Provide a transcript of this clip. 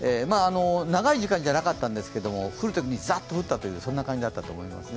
長い時間じゃなかったんですけど、降るときにざっと降ったというそういう感じだったと思います。